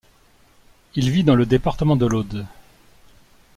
Il vit dans le département de l'Aude.